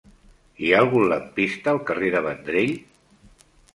Hi ha algun lampista al carrer de Vendrell?